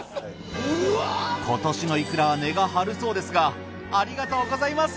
今年のいくらは値が張るそうですがありがとうございます。